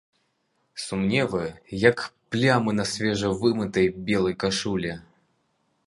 Сумневы, як плямы на свежа вымытай, белай кашулі.